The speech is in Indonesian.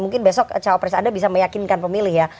mungkin besok cawapres anda bisa meyakinkan pemilih ya